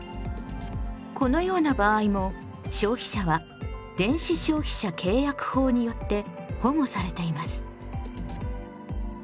このような場合も消費者は電子消費者契約法によって保護されています。